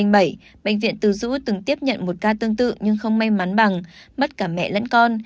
năm hai nghìn bảy bệnh viện từ dũ từng tiếp nhận một ca tương tự nhưng không may mắn bằng mất cả mẹ lẫn con